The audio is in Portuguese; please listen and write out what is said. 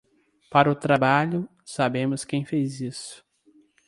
Para o trabalho, sabemos quem fez isso.